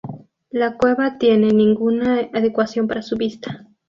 La cueva tiene ninguna adecuación para su visita.